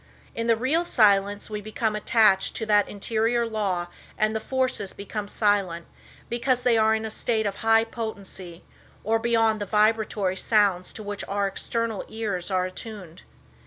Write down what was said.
In the real silence we become attached to that interior law and the forces become silent, because they are in a state of high potency, or beyond the vibratory sounds to which our external ears are attuned.